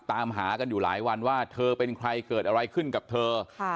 ตามหากันอยู่หลายวันว่าเธอเป็นใครเกิดอะไรขึ้นกับเธอ